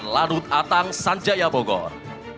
ladut atang sanjaya bogor